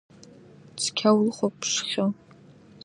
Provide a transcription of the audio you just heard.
Цқьа улыхәаԥшхьоу?